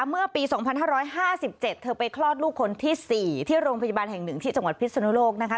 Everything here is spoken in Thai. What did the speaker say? เมื่อปี๒๕๕๗เธอไปคลอดลูกคนที่๔ที่โรงพยาบาลแห่ง๑ที่จังหวัดพิศนุโลกนะคะ